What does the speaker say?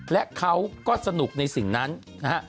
และเขาก็สนุกในสิ่งนั้นนะฮะ